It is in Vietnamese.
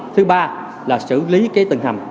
thứ ba là xử lý tầng hầm